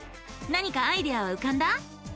何かアイデアはうかんだ？